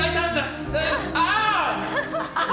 ああ！